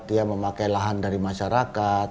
dia memakai lahan dari masyarakat